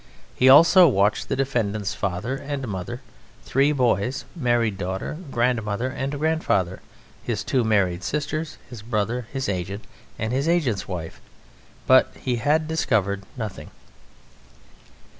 He also watched the defendant's father and mother, three boys, married daughter, grandmother and grandfather, his two married sisters, his brother, his agent, and his agent's wife but he had discovered nothing."